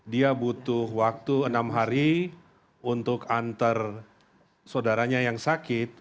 dia butuh waktu enam hari untuk antar saudaranya yang sakit